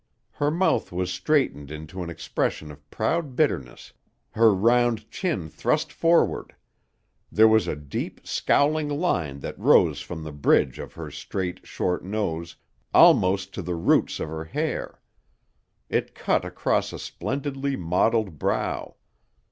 Her mouth was straightened into an expression of proud bitterness, her round chin thrust forward; there was a deep, scowling line that rose from the bridge of her straight, short nose almost to the roots of her hair. It cut across a splendidly modeled brow.